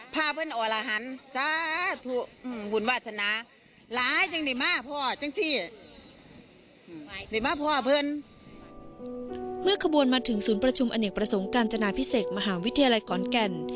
เมื่อขบวนมาถึงศูนย์ประชุมอเนกประสงค์การจนาพิเศษมหาวิทยาลัยขอนแก่น